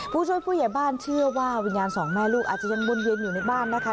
ผู้ช่วยผู้ใหญ่บ้านเชื่อว่าวิญญาณสองแม่ลูกอาจจะยังวนเวียนอยู่ในบ้านนะคะ